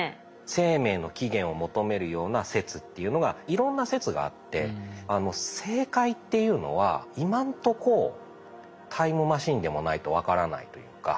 生命の起源を求めるような説っていうのがいろんな説があって正解っていうのは今のとこタイムマシンでもないとわからないというか。